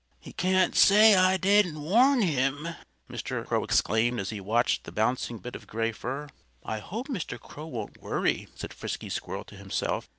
"He can't say I didn't warn him," Mr. Crow exclaimed as he watched the bouncing bit of gray fur. "I hope Mr. Crow won't worry," said Frisky Squirrel to himself.